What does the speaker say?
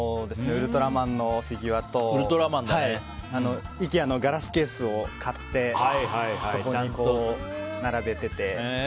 ウルトラマンのフィギュアとイケアのガラスケースを買ってそこに並べていて。